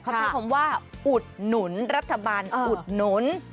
ใช่มันได้คำว่าอุดหนุนรัฐบาลอุดหนุน